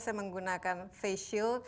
saya menggunakan facial